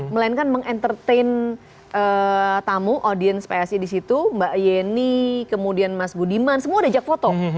melainkan menge entertain tamu audience psi di situ mbak yeni kemudian mas budiman semua ada ajak foto